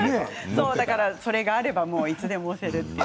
それがあればいつでも押せる。